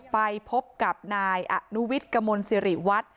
ไปพบกับนายอนุวิทย์กระมวลสิริวัฒน์